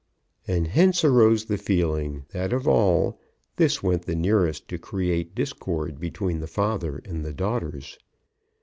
And hence arose the feeling that of all, this went the nearest to create discord between the father and the daughters.